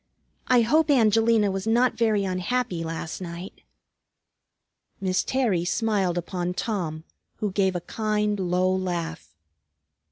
I hope Angelina was not very unhappy last night." Miss Terry smiled upon Tom, who gave a kind, low laugh.